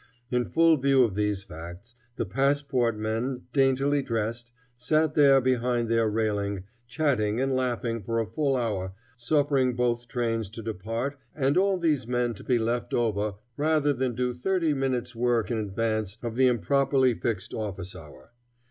In full view of these facts, the passport men, daintily dressed, sat there behind their railing, chatting and laughing for a full hour, suffering both trains to depart and all these men to be left over rather than do thirty minutes' work in advance of the improperly fixed office hour.